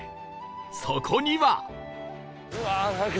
そこには